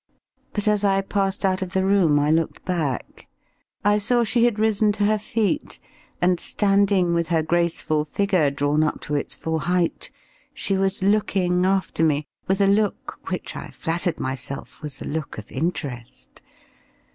But as I passed out of the room I looked back. I saw she had risen to her feet, and standing with her graceful figure drawn up to its full height, she was looking after me, with a look which I flattered myself was a look of interest.